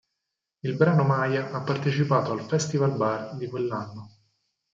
Il brano "Maya" ha partecipato al Festivalbar di quell'anno.